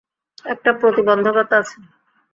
একটা প্রতিবন্ধকতা আছে।